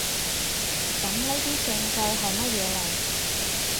噉呢啲證據喺乜嘢嚟？